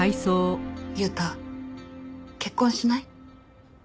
悠太結婚しない？